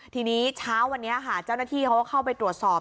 ทีนี้เช้าวันนี้ค่ะเจ้าหน้าที่เขาก็เข้าไปตรวจสอบ